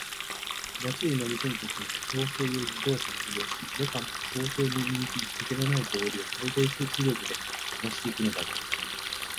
町へ乗りこむときには競走用自動車を利用し、夜間とか早朝に人気ひとけのない通りを最大速力で飛ばしていくのだが、